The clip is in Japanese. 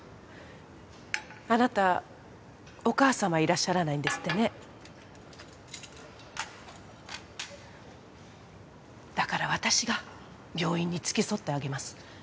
あなたお母様いらっしゃらないんですってねだから私が病院に付き添ってあげます